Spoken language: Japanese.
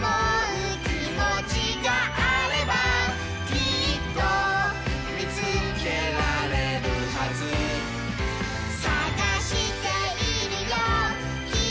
「きっとみつけられるはず」「さがしているよキミのいばしょを」